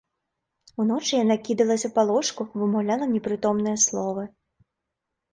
Уночы яна кідалася па ложку, вымаўляла непрытомныя словы.